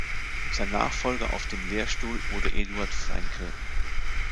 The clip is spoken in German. Sein Nachfolger auf dem Lehrstuhl wurde Eduard Fraenkel.